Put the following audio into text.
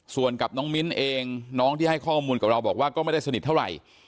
ส่วนกับน้องมิ้นเองน้องที่ให้ข้อมูลกับเราบอกว่าก็ไม่ได้สนิทเท่าไหร่